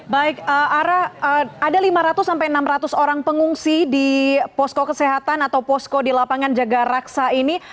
baik ara ada lima ratus sampai enam ratus orang pengungsi di posko kesehatan atau posko di lapangan jaga raksa ini